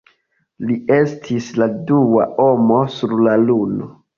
Li estis la dua homo sur la Luno.